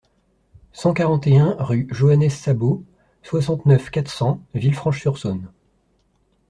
cent quarante et un rue Joannès Sabot, soixante-neuf, quatre cents, Villefranche-sur-Saône